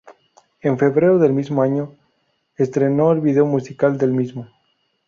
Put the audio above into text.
En febrero del mismo año, estrenó el video musical del mismo.